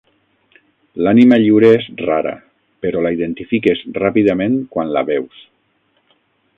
L'ànima lliure és rara però la identifiques ràpidament quan la veus.